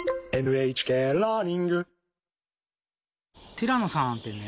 ティラノさんってね